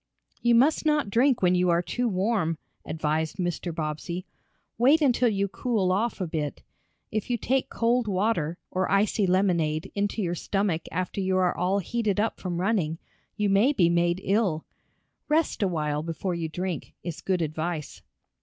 "You must not drink when you are too warm," advised Mr. Bobbsey. "Wait until you cool off a bit. If you take cold water, or icy lemonade, into your stomach after you are all heated up from running, you may be made ill. Rest a while before you drink, is good advice."